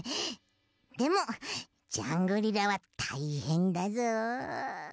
でもジャングリラはたいへんだぞ！